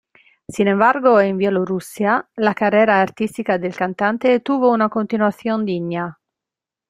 Sin embargo, en Bielorrusia la carrera artística del cantante tuvo una continuación digna.